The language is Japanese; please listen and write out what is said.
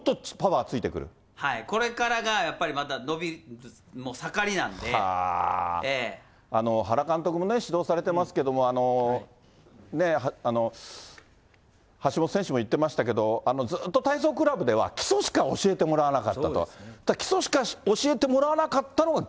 はい、これからがやっぱり、原監督もね、指導されてますけども、橋本選手も言ってましたけど、ずっと体操クラブでは基礎しか教えてもらわなかったと。